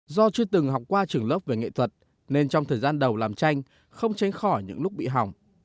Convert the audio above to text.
do chưa từng học qua trường lớp về nghệ thuật nên trong thời gian đầu làm tranh không tránh khỏi những lúc bị hỏng